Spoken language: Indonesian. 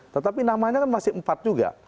tetapi namanya kan masih empat juga